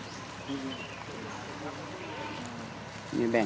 สวัสดีครับ